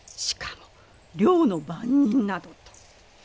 しかも寮の番人などと。